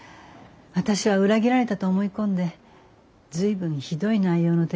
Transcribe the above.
私は裏切られたと思い込んで随分ひどい内容の手紙を出しました。